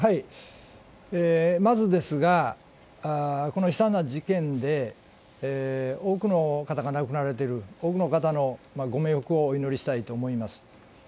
まず、この悲惨な事件で多くの方が亡くなられている、多くの方のご冥福をお祈りしたいと思います。